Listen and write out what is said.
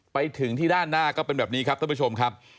ไปถึงที่ด้านหน้าก็เป็นแบบนี้ครับท่านผู้ชมครับ